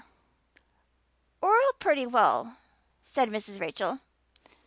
"We're all pretty well," said Mrs. Rachel.